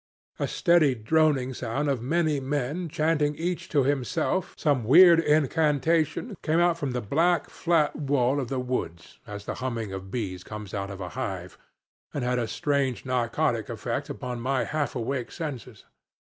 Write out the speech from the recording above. A steady droning sound of many men chanting each to himself some weird incantation came out from the black, flat wall of the woods as the humming of bees comes out of a hive, and had a strange narcotic effect upon my half awake senses.